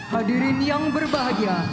hadirin yang berbahagia